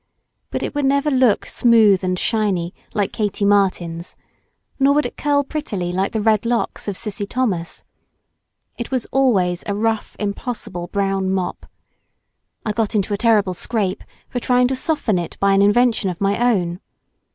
But it never would look smooth and shiny, like Katie Martin's, nor would it curl prettily like the red locks of Cissy Thomas. It was always a rough, impossible brown mop. I got into a terrible scrape for trying to soften it by an invention of my own.